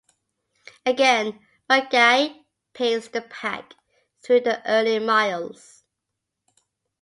Again Mungai paced the pack through the early miles.